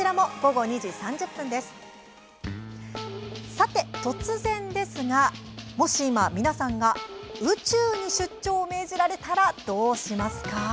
さて突然ですがもし、今、皆さんが宇宙に出張を命じられたらどうしますか？